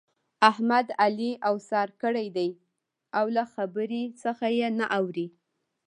احمد؛ علي اوسار کړی دی او له خبرې څخه يې نه اوړي.